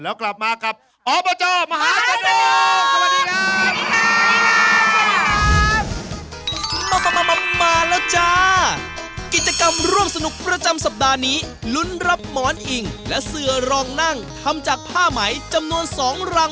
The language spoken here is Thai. แล้วกลับมากับอบาโจ้มหาสนุน